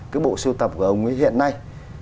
cái bộ siêu tập của ông ấy hiện nay